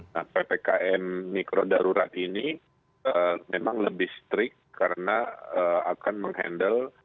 nah ppkm mikro darurat ini memang lebih strict karena akan menghandle